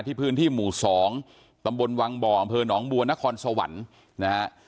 พื้นที่หมู่๒ตำบลวังบ่ออำเภอหนองบัวนครสวรรค์นะฮะ